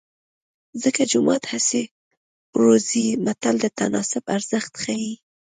څنګه جومات هسې بروزې متل د تناسب ارزښت ښيي